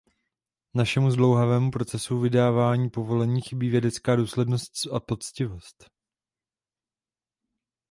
Našemu zdlouhavému procesu vydávání povolení chybí vědecká důslednost s poctivost.